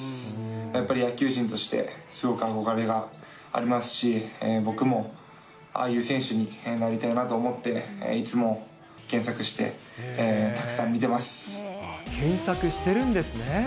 やっぱり野球人としてすごく憧れがありますし、僕もああいう選手になりたいなと思って、検索してるんですね。